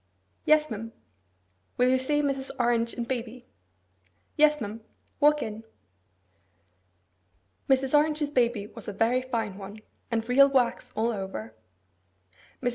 'Yes, ma'am.' 'Will you say Mrs. Orange and baby?' 'Yes, ma'am. Walk in.' Mrs. Orange's baby was a very fine one, and real wax all over. Mrs.